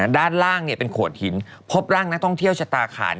ด้านล่างเป็นโขดหินพบร่างนักท่องเที่ยวชะตาขาด